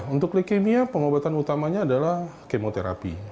untuk leukemia pengobatan utamanya adalah kemoterapi